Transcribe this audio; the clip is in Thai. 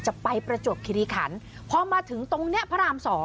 ประจวบคิริขันพอมาถึงตรงนี้พระราม๒